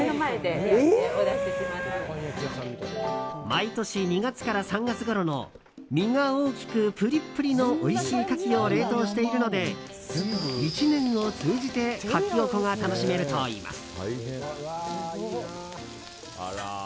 毎年２月から３月ごろの身が大きく、プリップリのおいしいカキを冷凍しているので１年を通じてカキオコが楽しめるといいます。